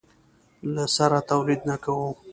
له سره تولید نه کوو.